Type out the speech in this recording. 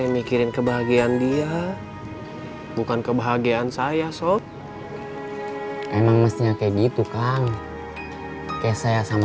mikirin kebahagiaan dia bukan kebahagiaan saya so emang mestinya kayak gitu kan kayak saya sama